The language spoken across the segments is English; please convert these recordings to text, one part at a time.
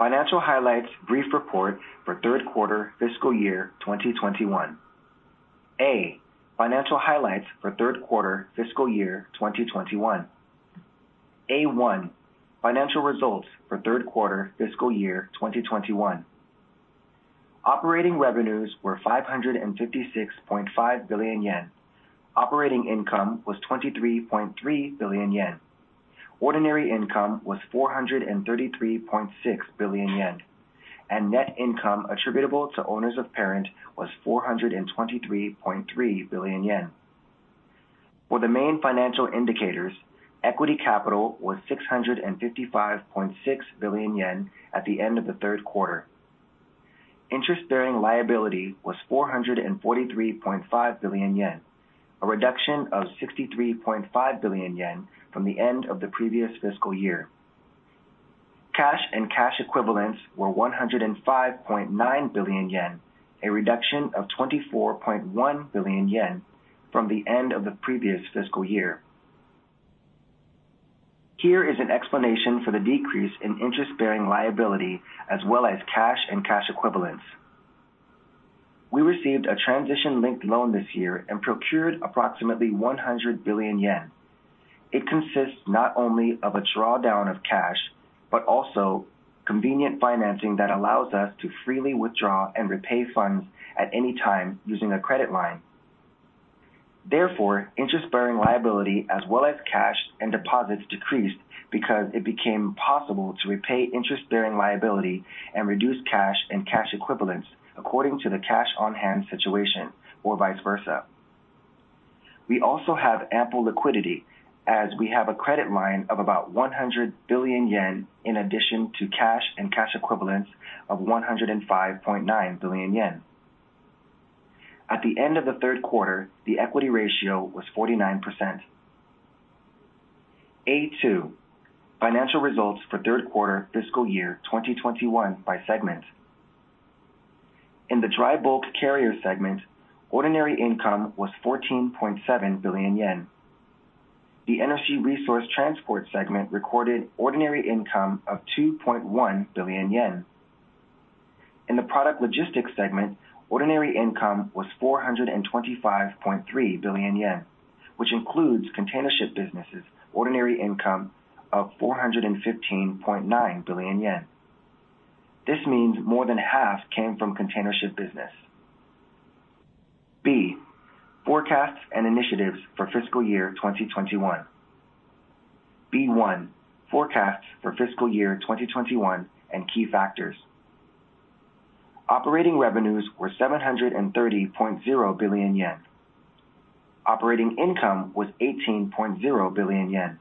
Financial highlights brief report for third quarter fiscal year 2021. A. Financial highlights for third quarter fiscal year 2021. A1. Financial results for third quarter fiscal year 2021. Operating revenues were 556.5 billion yen. Operating income was 23.3 billion yen. Ordinary income was 433.6 billion yen, and net income attributable to owners of parent was 423.3 billion yen. For the main financial indicators, equity capital was 655.6 billion yen at the end of the third quarter. Interest-bearing liability was 443.5 billion yen, a reduction of 63.5 billion yen from the end of the previous fiscal year. Cash and cash equivalents were 105.9 billion yen, a reduction of 24.1 billion yen from the end of the previous fiscal year. Here is an explanation for the decrease in interest-bearing liability as well as cash and cash equivalents. We received a transition-linked loan this year and procured approximately 100 billion yen. It consists not only of a drawdown of cash, but also convenient financing that allows us to freely withdraw and repay funds at any time using a credit line. Therefore, interest-bearing liability as well as cash and deposits decreased because it became possible to repay interest-bearing liability and reduce cash and cash equivalents according to the cash on hand situation or vice versa. We also have ample liquidity, as we have a credit line of about 100 billion yen in addition to cash and cash equivalents of 105.9 billion yen. At the end of the third quarter, the equity ratio was 49%. A2, financial results for third quarter FY 2021 by segment. In the Dry Bulk segment, ordinary income was 14.7 billion yen. The Energy Resource segment recorded ordinary income of 2.1 billion yen. In the Product Logistics segment, ordinary income was 425.3 billion yen, which includes containership business, ordinary income of 415.9 billion yen. This means more than half came from containership business. B, forecasts and initiatives for FY 2021. B1, forecasts for FY 2021 and key factors. Operating revenues were 730.0 billion yen. Operating income was 18.0 billion yen.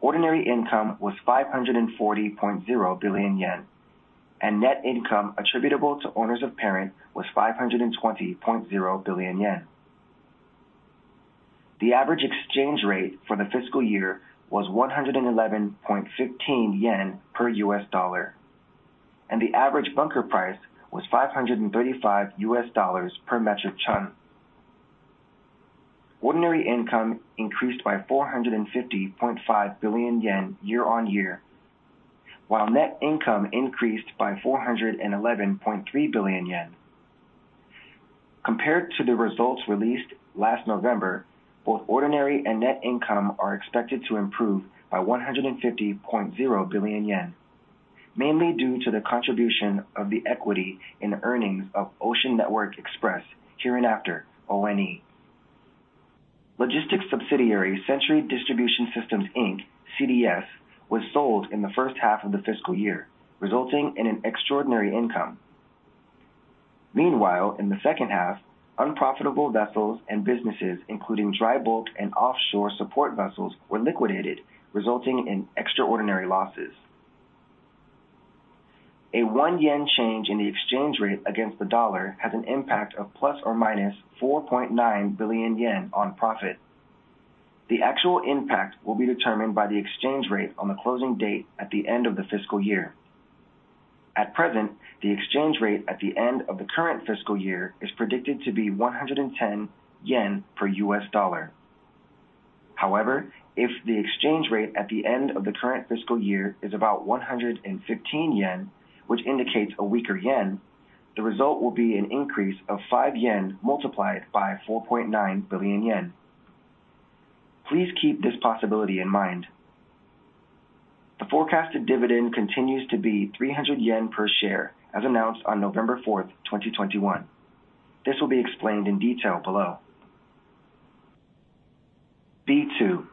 Ordinary income was 540.0 billion yen, and net income attributable to owners of parent was 520.0 billion yen. The average exchange rate for the fiscal year was 111.15 yen per U.S. dollar, and the average bunker price was $535 per metric ton. Ordinary income increased by 450.5 billion yen year on year, while net income increased by 411.3 billion yen. Compared to the results released last November, both ordinary and net income are expected to improve by 150.0 billion yen, mainly due to the contribution of the equity in earnings of Ocean Network Express, hereinafter ONE. Logistics subsidiary, Century Distribution Systems, Inc., CDS, was sold in the first half of the fiscal year, resulting in an extraordinary income. Meanwhile, in the second half, unprofitable vessels and businesses, including dry bulk and offshore support vessels, were liquidated, resulting in extraordinary losses. A 1 yen change in the exchange rate against the dollar has an impact of ±4.9 billion yen on profit. The actual impact will be determined by the exchange rate on the closing date at the end of the fiscal year. At present, the exchange rate at the end of the current fiscal year is predicted to be 110 yen per U.S. dollar. However, if the exchange rate at the end of the current fiscal year is about 115 yen, which indicates a weaker yen, the result will be an increase of 5 yen multiplied by 4.9 billion yen. Please keep this possibility in mind. The forecasted dividend continues to be 300 yen per share, as announced on November 4, 2021. This will be explained in detail below. B2,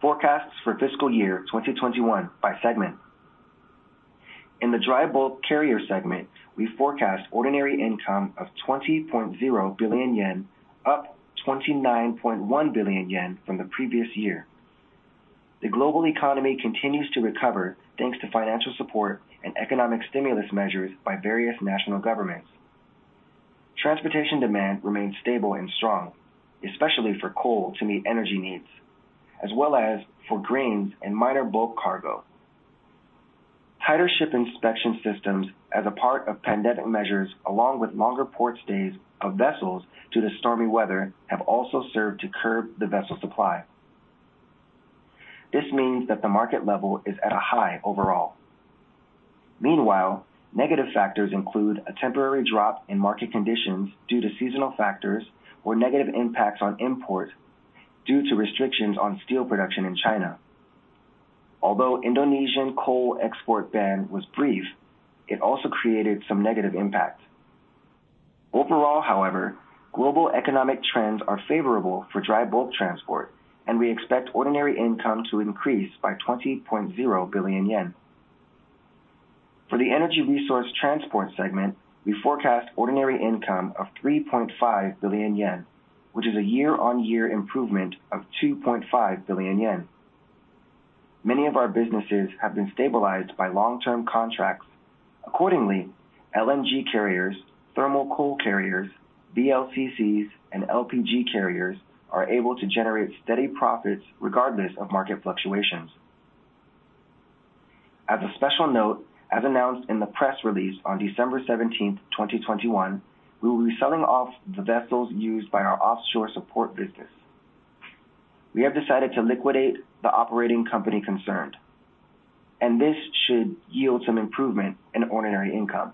forecasts for fiscal year 2021 by segment. In the Dry Bulk segment, we forecast ordinary income of 20.0 billion yen, up 29.1 billion yen from the previous year. The global economy continues to recover thanks to financial support and economic stimulus measures by various national governments. Transportation demand remains stable and strong, especially for coal to meet energy needs, as well as for grains and minor bulk cargo. Tighter ship inspection systems as a part of pandemic measures, along with longer port stays of vessels due to stormy weather, have also served to curb the vessel supply. This means that the market level is at a high overall. Meanwhile, negative factors include a temporary drop in market conditions due to seasonal factors or negative impacts on import due to restrictions on steel production in China. Although Indonesian coal export ban was brief, it also created some negative impact. Overall, however, global economic trends are favorable for Dry Bulk transport, and we expect ordinary income to increase by 20.0 billion yen. For the Energy Resource transport segment, we forecast ordinary income of 3.5 billion yen, which is a year-on-year improvement of 2.5 billion yen. Many of our businesses have been stabilized by long-term contracts. Accordingly, LNG carriers, thermal coal carriers, VLCCs, and LPG carriers are able to generate steady profits regardless of market fluctuations. As a special note, as announced in the press release on December 17, 2021, we will be selling off the vessels used by our offshore support business. We have decided to liquidate the operating company concerned, and this should yield some improvement in ordinary income.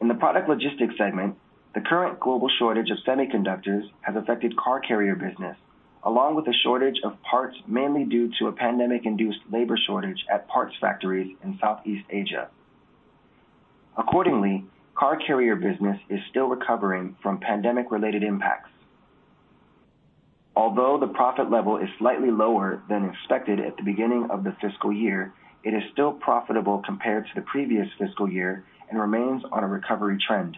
In the Product Logistics segment, the current global shortage of semiconductors has affected car carrier business, along with a shortage of parts, mainly due to a pandemic-induced labor shortage at parts factories in Southeast Asia. Accordingly, car carrier business is still recovering from pandemic-related impacts. Although the profit level is slightly lower than expected at the beginning of the fiscal year, it is still profitable compared to the previous fiscal year and remains on a recovery trend.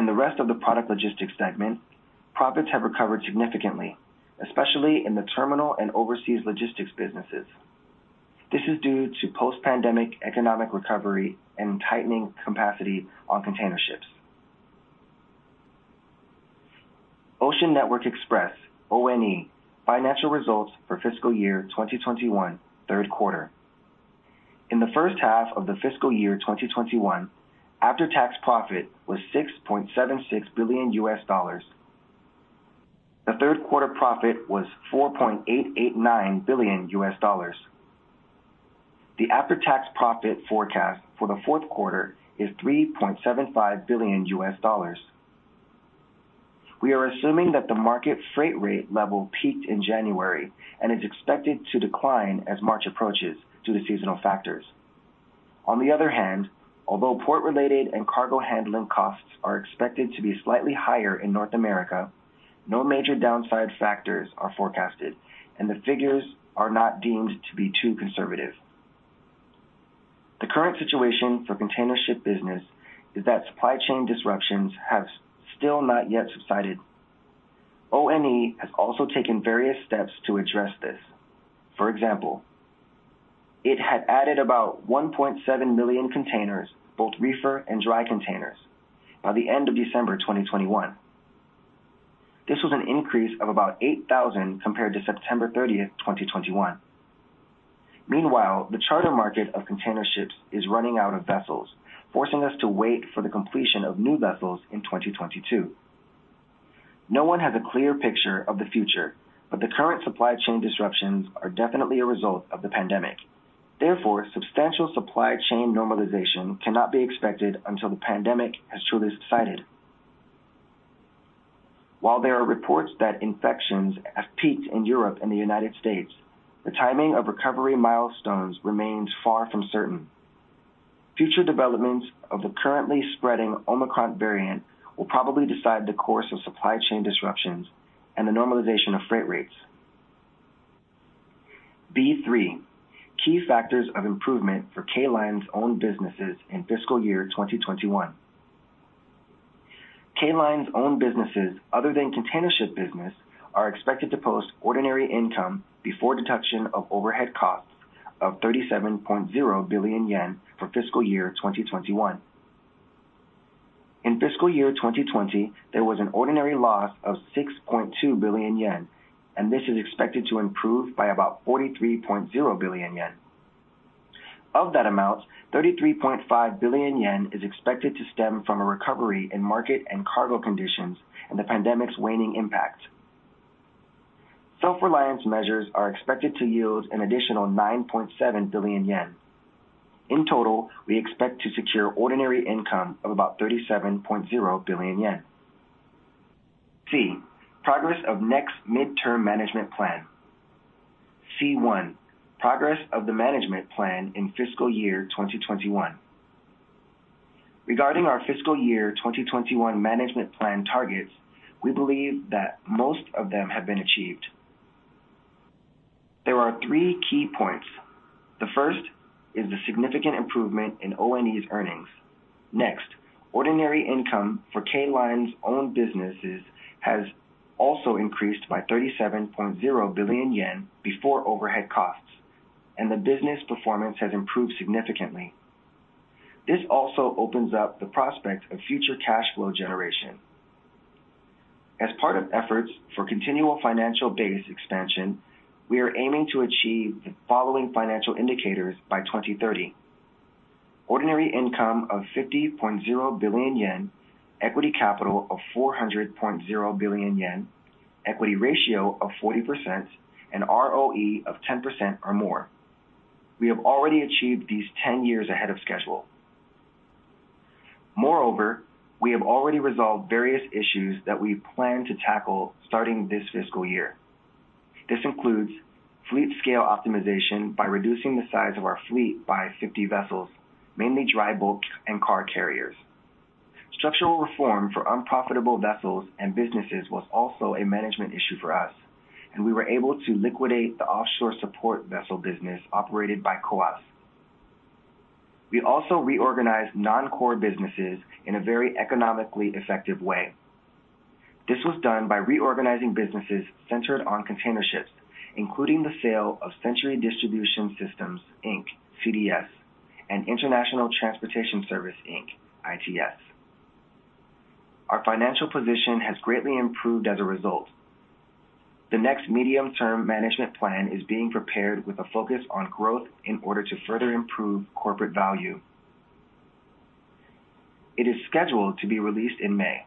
In the rest of the Product Logistics segment, profits have recovered significantly, especially in the terminal and overseas logistics businesses. This is due to post-pandemic economic recovery and tightening capacity on container ships. Ocean Network Express, ONE, financial results for fiscal year 2021, third quarter. In the first half of the fiscal year 2021, after-tax profit was $6.76 billion. The third quarter profit was $4.889 billion. The after-tax profit forecast for the fourth quarter is $3.75 billion. We are assuming that the market freight rate level peaked in January and is expected to decline as March approaches due to seasonal factors. On the other hand, although port-related and cargo handling costs are expected to be slightly higher in North America, no major downside factors are forecasted, and the figures are not deemed to be too conservative. The current situation for container ship business is that supply chain disruptions have still not yet subsided. ONE has also taken various steps to address this. For example, it had added about 1.7 million containers, both reefer and dry containers, by the end of December 2021. This was an increase of about 8,000 compared to September 30, 2021. Meanwhile, the charter market of container ships is running out of vessels, forcing us to wait for the completion of new vessels in 2022. No one has a clear picture of the future, but the current supply chain disruptions are definitely a result of the pandemic. Therefore, substantial supply chain normalization cannot be expected until the pandemic has truly subsided. While there are reports that infections have peaked in Europe and the United States, the timing of recovery milestones remains far from certain. Future developments of the currently spreading Omicron variant will probably decide the course of supply chain disruptions and the normalization of freight rates. B3, key factors of improvement for K Line's own businesses in fiscal year 2021. K Line's own businesses, other than container ship business, are expected to post ordinary income before deduction of overhead costs of 37.0 billion yen for fiscal year 2021. In fiscal year 2020, there was an ordinary loss of 6.2 billion yen, and this is expected to improve by about 43.0 billion yen. Of that amount, 33.5 billion yen is expected to stem from a recovery in market and cargo conditions and the pandemic's waning impact. Self-reliance measures are expected to yield an additional 9.7 billion yen. In total, we expect to secure ordinary income of about 37.0 billion yen. C. Progress of next midterm management plan. C1, progress of the management plan in fiscal year 2021. Regarding our fiscal year 2021 management plan targets, we believe that most of them have been achieved. There are three key points. The first is the significant improvement in ONE's earnings. Next, ordinary income for K Line's own businesses has also increased by 37.0 billion yen before overhead costs, and the business performance has improved significantly. This also opens up the prospect of future cash flow generation. As part of efforts for continual financial base expansion, we are aiming to achieve the following financial indicators by 2030. Ordinary income of 50.0 billion yen, equity capital of 400.0 billion yen, equity ratio of 40%, and ROE of 10% or more. We have already achieved these 10 years ahead of schedule. Moreover, we have already resolved various issues that we plan to tackle starting this fiscal year. This includes fleet scale optimization by reducing the size of our fleet by 50 vessels, mainly Dry Bulk and car carriers. Structural reform for unprofitable vessels and businesses was also a management issue for us, and we were able to liquidate the offshore support vessel business operated by K Line Offshore AS. We also reorganized non-core businesses in a very economically effective way. This was done by reorganizing businesses centered on container ships, including the sale of Century Distribution Systems, Inc., CDS, and International Transportation Service, Inc., ITS. Our financial position has greatly improved as a result. The next medium-term management plan is being prepared with a focus on growth in order to further improve corporate value. It is scheduled to be released in May.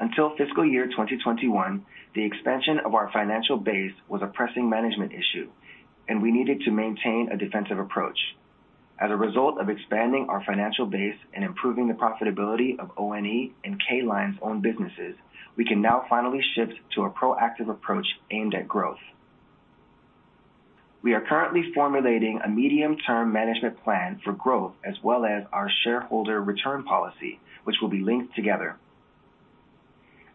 Until fiscal year 2021, the expansion of our financial base was a pressing management issue, and we needed to maintain a defensive approach. As a result of expanding our financial base and improving the profitability of ONE and K Line's own businesses, we can now finally shift to a proactive approach aimed at growth. We are currently formulating a medium-term management plan for growth as well as our shareholder return policy, which will be linked together.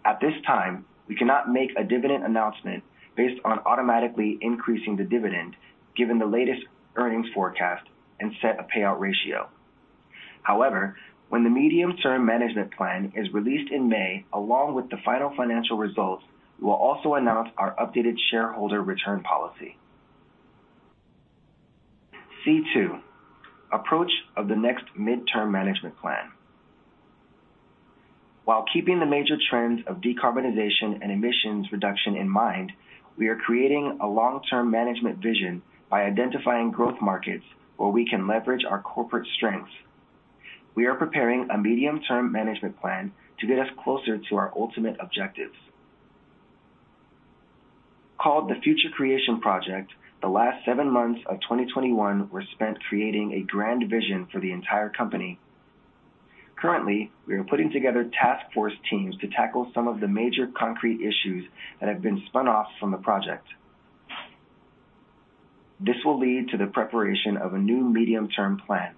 At this time, we cannot make a dividend announcement based on automatically increasing the dividend given the latest earnings forecast and set a payout ratio. However, when the medium-term management plan is released in May, along with the final financial results, we'll also announce our updated shareholder return policy. C2, approach of the next medium-term management plan. While keeping the major trends of decarbonization and emissions reduction in mind, we are creating a long-term management vision by identifying growth markets where we can leverage our corporate strengths. We are preparing a medium-term management plan to get us closer to our ultimate objectives. Called the Future Creation Project, the last seven months of 2021 were spent creating a grand vision for the entire company. Currently, we are putting together task force teams to tackle some of the major concrete issues that have been spun off from the project. This will lead to the preparation of a new medium-term plan.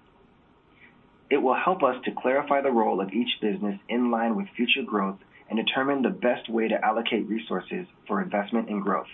It will help us to clarify the role of each business in line with future growth and determine the best way to allocate resources for investment and growth.